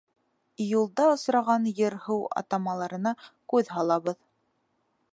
Юлда осраған ер-һыу атамаларына күҙ һалабыҙ.